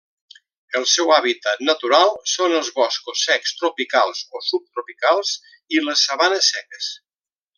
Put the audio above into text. El seu hàbitat natural són els boscos secs tropicals o subtropicals i les sabanes seques.